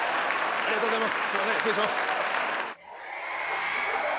「ありがとうございます」